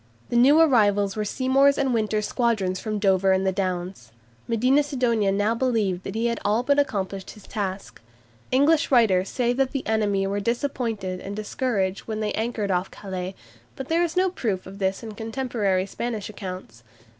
The new arrivals were Seymour's and Winter's squadrons from Dover and the Downs. Medina Sidonia now believed that he had all but accomplished his task. English writers say that the enemy were disappointed and discouraged when they anchored off Calais, but there is no proof of this in contemporary Spanish accounts.